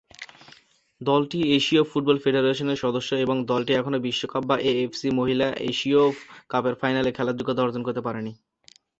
দলটি এশীয় ফুটবল কনফেডারেশনের সদস্য এবং দলটি এখনো বিশ্বকাপ বা এএফসি মহিলা এশীয় কাপের ফাইনালে খেলার যোগ্যতা অর্জন করতে পারেনি।